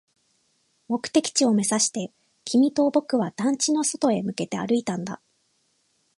目的地を目指して、君と僕は団地の外へ向けて歩いたんだ